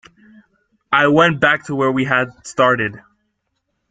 I went back to where we had started.